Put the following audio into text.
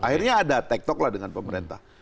akhirnya ada tek tok lah dengan pemerintah